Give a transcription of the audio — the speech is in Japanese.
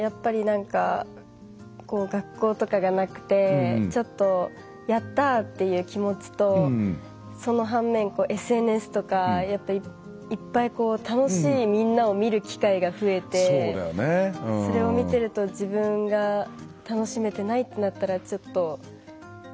学校とかがなくてちょっとやった！っていう気持ちとその反面、ＳＮＳとかいっぱい楽しいみんなを見る機会が増えてそれを見てると自分が楽しめてないってなったらちょっと。